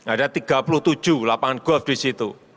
ada tiga puluh tujuh lapangan golf di situ